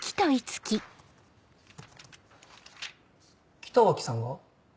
北脇さんが？